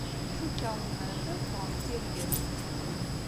Cukkeɣ zemrent ad ffɣent tirga-nwen.